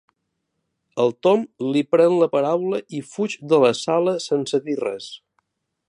El Tom li pren la paraula i fuig de la sala sense dir res.